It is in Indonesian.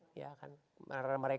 mereka kan banyak pekerjaan